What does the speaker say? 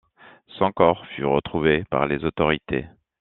Son corps fut retrouvé par les autorités.